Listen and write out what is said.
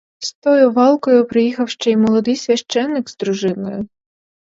З тою валкою приїхав ще й молодий священик з дружиною.